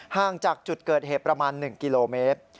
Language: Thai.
ห่างจากจุดเกิดเหตุประมาณ๑กิโลเมตร